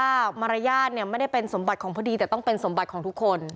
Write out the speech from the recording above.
ว่ามารยาทเนี่ยไม่ได้เป็นสมบัติของพอดีแต่ต้องเป็นสมบัติของทุกคน